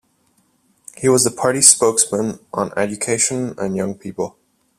He was the party's spokesman on education and young people.